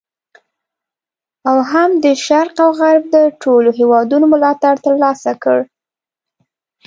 او هم د شرق او غرب د ټولو هیوادونو ملاتړ تر لاسه کړ.